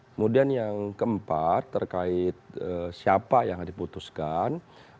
kemudian yang keempat terkait siapa yang diputuskan